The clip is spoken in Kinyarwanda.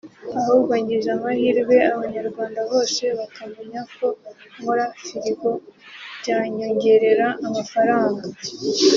Ahubwo ngize amahirwe abanyarwanda bose bakamenya ko nkora firigo byanyongerera amafaranga”